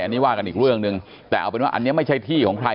อันนี้ว่ากันอีกเรื่องหนึ่ง